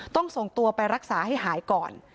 ต้องส่งตัวไปรักษาให้หายก่อน